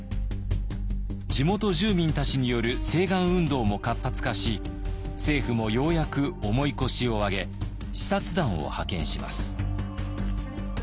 地元住民たちによる請願運動も活発化し政府もようやく重い腰を上げ視察団を派遣します。